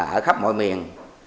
ở khắp mọi miền